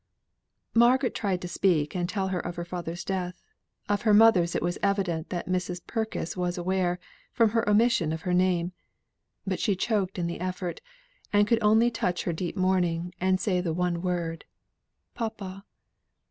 Margaret tried to speak and tell her of her father's death; of her mother's it was evident that Mrs. Purkis was aware, from her omission of her name. But she choked in the effort, and could only touch her deep mourning, and say the one word, "Papa."